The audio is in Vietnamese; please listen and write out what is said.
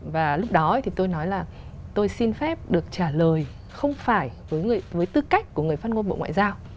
và lúc đó thì tôi nói là tôi xin phép được trả lời không phải với tư cách của người phát ngôn bộ ngoại giao